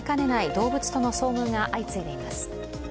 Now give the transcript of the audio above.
動物との遭遇が相次いでいます。